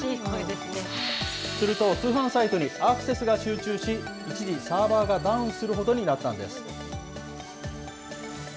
すると通販サイトにアクセスが集中し、一時、サーバーがダウンするほどになったんです。